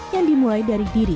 yang dimulai dari diri